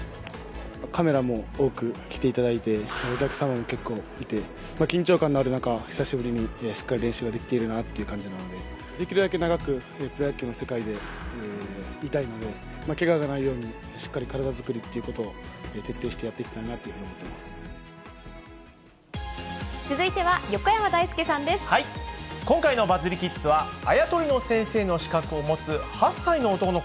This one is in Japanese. カメラも多く来ていただいて、お客さんも結構いて、緊張感のある中、久しぶりにしっかり練習ができているなって感じなので、できるだけ長くプロ野球の世界にいたいので、けががないように、しっかり体作りということを徹底してやっていきたいなというふう続いては横山だいすけさんで今回のバズリキッズは、あや取りの先生の資格を持つ８歳の男の子。